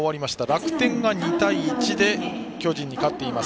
楽天が２対１で巨人に勝っています。